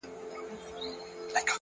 هره ورځ د نوې بریا امکان لري,